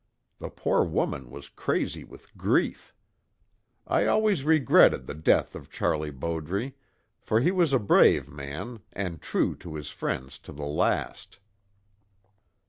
The poor woman was crazy with grief. I always regretted the death of Charlie Bowdre, for he was a brave man, and true to his friends to the last.